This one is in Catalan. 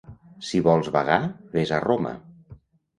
Si vols vagar, ves a Roma.